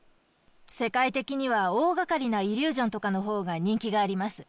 世界的には大掛かりなイリュージョンとかのほうが人気があります。